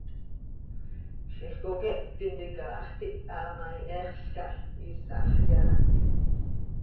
Ziix coqueht tintica hax tiha ma, ihexl cah, iisax yaanj.